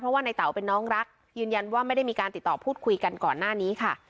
เพราะว่าในเต๋าเป็นน้องรักยืนยันว่าไม่ได้มีการติดต่อพูดคุยกันก่อนหน้านี้ค่ะ